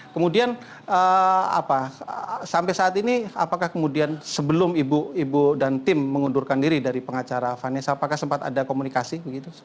kemudian sampai saat ini apakah kemudian sebelum ibu dan tim mengundurkan diri dari pengacara vanessa apakah sempat ada komunikasi